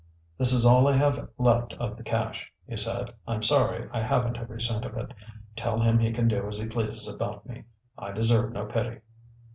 "That is all I have left of the cash," he said. "I'm sorry I haven't every cent of it. Tell him he can do as he pleases about me. I deserve no pity."